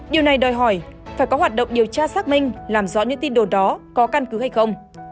điều này đòi hỏi phải có hoạt động điều tra xác minh làm rõ những tin đồn đó có căn cứ hay không